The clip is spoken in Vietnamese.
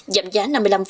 giảm giá năm mươi năm